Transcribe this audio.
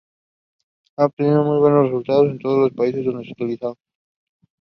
Ha obtenido muy buenos resultados en todos los países donde se ha utilizado.